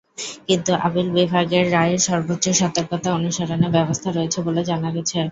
কিন্তু আপিল বিভাগের রায়ে সর্বোচ্চ সতর্কতা অনুসরণের ব্যবস্থা রয়েছে বলে জানা গেছে।